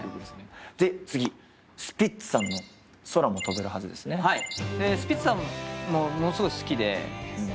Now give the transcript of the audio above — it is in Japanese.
で次スピッツさんの『空も飛べるはず』スピッツさんもものすごい好きで。